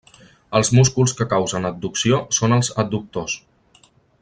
Els músculs que causen adducció són els adductors.